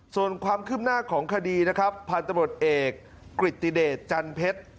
ส่วนความขึ้นหน้าของคดีนะครับพนตรบรถเอกกริจติเดชจันเพชร